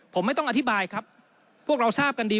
ผมไม่ต้องอธิบายครับพวกเราทราบกันดี